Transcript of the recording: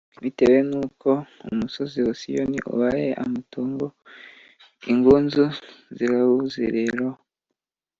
Bitewe n’uko umusozi wa Siyoni ubaye amatongo, Ingunzu zirawuzereraho.